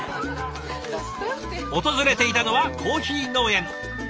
訪れていたのはコーヒー農園。